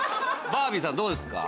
バービーさんどうですか？